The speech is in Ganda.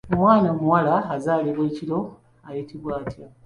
Omwana omuwala azaalibwa ekiro ayitibwa atya?